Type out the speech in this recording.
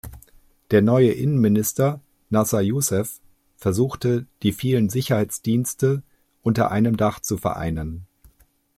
Der neue Innenminister Nasser Yousef versuchte die vielen Sicherheitsdienste unter einem Dach zu vereinen.